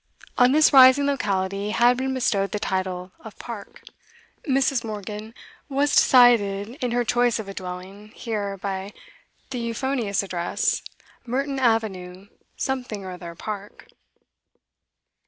On this rising locality had been bestowed the title of 'Park.' Mrs. Morgan was decided in her choice of a dwelling here by the euphonious address, Merton Avenue, Something or other Park.